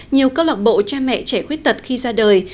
nhiều câu lạc bộ cha mẹ trẻ khuyết tật khi ra đời